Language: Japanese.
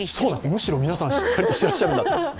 むしろ皆さん、しっかりとしていらっしゃるなと。